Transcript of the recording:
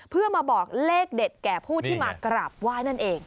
เพื่อมาบอกเลขเด็ดแก่ผู้ที่มากราบไหว้นั่นเอง